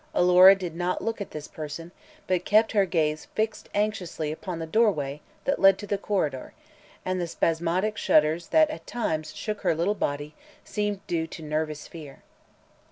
Alora did not look at this person but kept her gaze fixed anxiously upon the doorway that led to the corridor, and the spasmodic shudders that at times shook her little body seemed due to nervous fear.